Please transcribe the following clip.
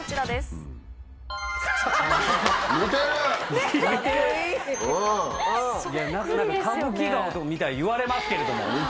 何か歌舞伎顔みたいに言われますけれども。